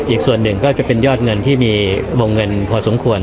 อีกส่วนหนึ่งก็จะเป็นยอดเงินที่มีวงเงินพอสมควร